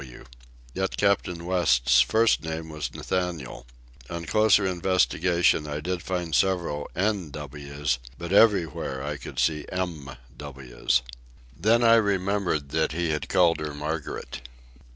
W." Yet Captain West's first name was Nathaniel. On closer investigation I did find several "N.W's." but everywhere I could see "M.W's." Then I remembered that he had called her Margaret.